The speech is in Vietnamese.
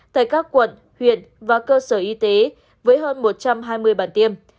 tại các quận huyện và cơ sở y tế với hơn một trăm hai mươi bản tiêm